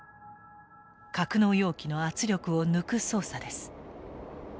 格納容器の圧力を抜く操作です。